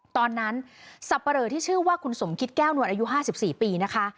สับปะเลอที่ชื่อว่าคุณสมคิดแก้วนวลอายุ๕๔ปีนะคะ